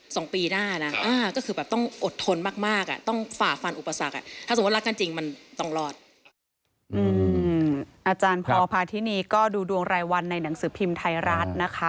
สองปีหน้านะก็คือแบบต้องอดทนมากต้องฝ่าฟันอุปสรรค